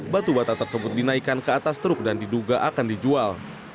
batu bata tersebut dinaikkan ke atas truk dan diduga akan dijual